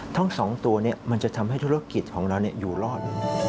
ทั้ง๒ตัวมันจะทำให้ธุรกิจของเราอยู่รอด